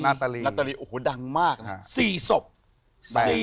นาตาลีโอ้โหดังมากนะ